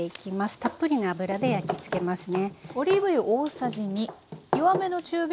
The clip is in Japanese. たっぷりの油で焼き付けますね。